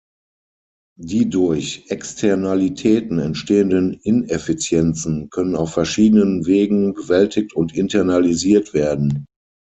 Die durch Externalitäten entstehenden Ineffizienzen können auf verschiedenen Wegen bewältigt und internalisiert werden.